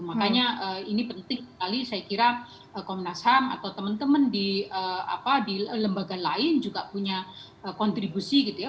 makanya ini penting sekali saya kira komnas ham atau teman teman di lembaga lain juga punya kontribusi gitu ya